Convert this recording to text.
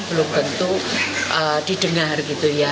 belum tentu didengar gitu ya